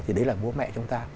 thì đấy là vũ mẹ chúng ta